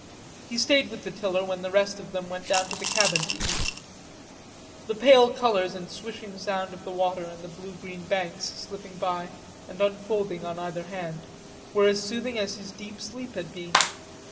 He stayed with the tiller when the rest of them went down to the cabin to eat. The pale colors and the swishing sound of the water and the blue green banks slipping by and unfolding on either hand, were as soothing as his deep sleep had been.